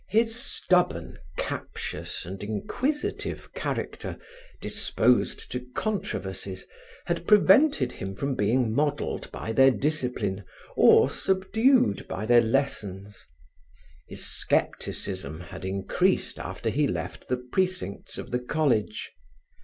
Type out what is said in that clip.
His stubborn, captious and inquisitive character, disposed to controversies, had prevented him from being modelled by their discipline or subdued by their lessons. His scepticism had increased after he left the precincts of the college.